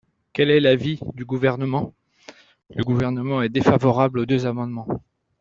Quel est l’avis du Gouvernement ? Le Gouvernement est défavorable aux deux amendements.